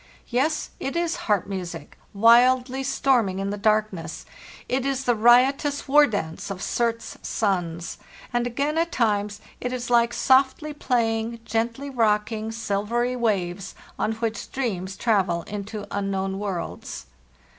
Yes, it is harp music, wildly storming in the darkness; it is the riotous war dance of Surt's sons. And again at times it is like softly playing, gently rocking, silvery waves, on which dreams travel into unknown worlds.